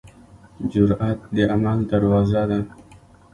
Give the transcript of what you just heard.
جرئت د عمل دروازه ده.